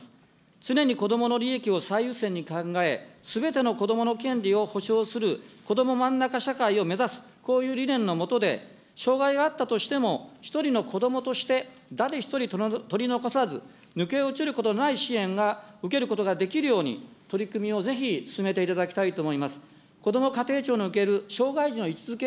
常にこどもの利益を最優先に考え、すべてのこどもの権利を保障するこども真ん中社会を目指す、こういう理念の下で、障害があったとしても、１人のこどもとして、誰一人取り残さず、抜け落ちることのない支援が受けることができるように、取り組みをぜひ進めていただきたいと思います。